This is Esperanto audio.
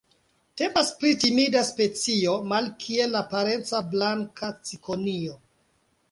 Temas pri timida specio, malkiel la parenca Blanka cikonio.